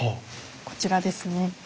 こちらですね。